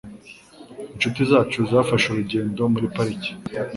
Inshuti zacu zafashe urugendo muri parike.